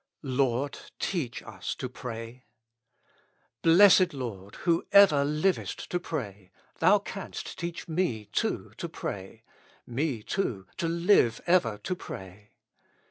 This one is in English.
"Lord, teach us to pray." Blessed Lord ! who ever livest to pray, Thou canst teach me too to pray, me too to live ever to pray.